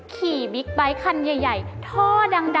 บิ๊กไบท์คันใหญ่ท่อดัง